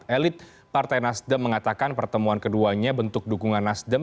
elit partai nasdem mengatakan pertemuan keduanya bentuk dukungan nasdem